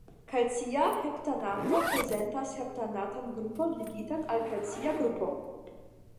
Kalcia heptanato prezentas heptanatan grupon ligitan al kalcia grupo.